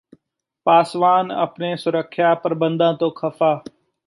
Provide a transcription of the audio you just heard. ਪਾਸਵਾਨ ਆਪਣੇ ਸੁਰੱਖਿਆ ਪ੍ਰਬੰਧਾਂ ਤੋਂ ਖ਼ਫ਼ਾ